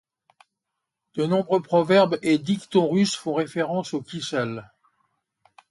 De nombreux proverbes et dictons russes font référence au kissel.